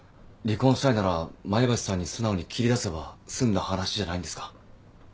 離婚したいなら前橋さんに素直に切り出せば済んだ話じゃないんですか？